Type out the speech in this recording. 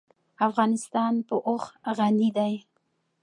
افغانستان په اوښ غني دی.